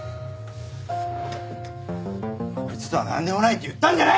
こいつとは何でもないって言ったんじゃないのかよ！